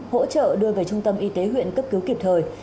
hỗ trợ đưa về trung tâm y tế huyện cấp cứu kịp thời